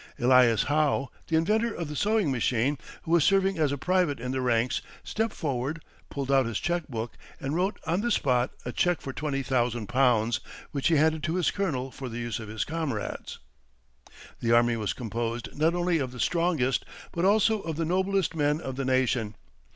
Elias Howe, the inventor of the sewing machine, who was serving as a private in the ranks, stepped forward, pulled out his cheque book, and wrote on the spot a cheque for 20,000 pounds, which he handed to his colonel for the use of his comrades. The army was composed not only of the strongest, but also of the noblest men of the nation.